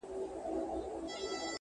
د کمزورو کنډوالې دي چي نړېږي!!!!!